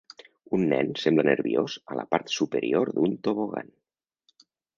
Un nen sembla nerviós a la part superior d'un tobogan.